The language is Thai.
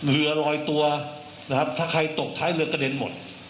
เรือลอยตัวนะครับถ้าใครตกท้ายเรือกระเด็นหมด